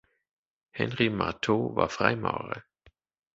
Henri Marteau war Freimaurer.